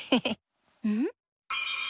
うん？